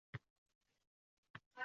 Lekin menga odatiylikdan qochilgani yoqdi